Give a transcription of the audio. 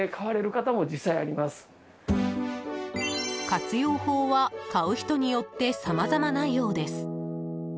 活用法は買う人によってさまざまなようです。